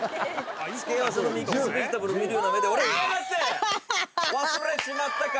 付け合わせのミックスベジタブルを見るような目で俺を見やがって忘れちまったか？